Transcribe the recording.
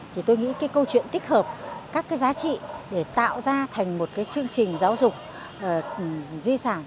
thì tôi nghĩ cái câu chuyện tích hợp các cái giá trị để tạo ra thành một cái chương trình giáo dục di sản